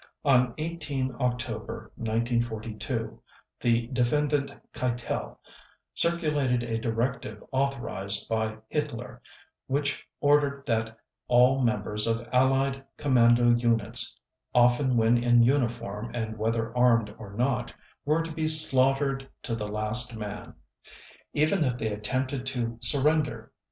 On 18 October 1942, the Defendant Keitel circulated a directive authorized by Hitler, which ordered that all members of Allied "Commando" units, often when in uniform and whether armed or not, were to be "slaughtered to the last man", even if they attempted to surrender.